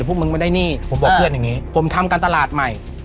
พวกมึงไม่ได้หนี้ผมบอกเพื่อนอย่างนี้ผมทำการตลาดใหม่